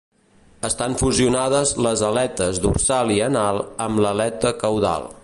Estan fusionades les aletes dorsal i anal amb l'aleta caudal.